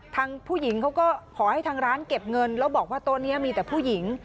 ทางผู้หญิงเขาก็ขอให้ทางร้านเก็บเงินแล้วบอกว่าโต๊ะนี้มีแต่ผู้หญิง